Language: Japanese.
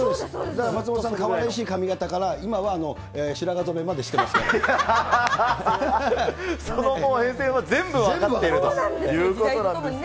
松本さん、かわいらしい髪形から、今は白髪染めまで知ってまその後、変遷は全部分かって全部。ということなんです。